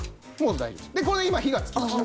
これで今火がつきました。